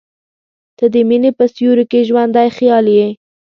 • ته د مینې په سیوري کې ژوندی خیال یې.